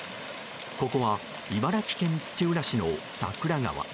ここは茨城県土浦市の桜川。